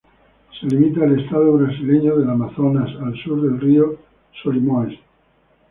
Se limita al estado brasileño de Amazonas, al sur del río Solimões.